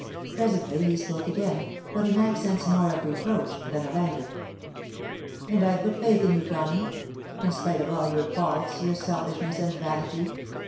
Presently he spoke again, but in accents more of reproach than of anger. *And I put faith in you, Connie — in spite of all your faults, your selfishness, and vanity.